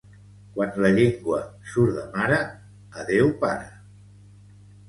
Quan la llengua surt de mare, adeu pare!